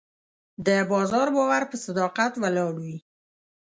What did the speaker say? د بازار باور په صداقت ولاړ وي.